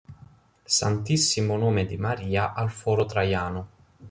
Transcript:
Santissimo Nome di Maria al Foro Traiano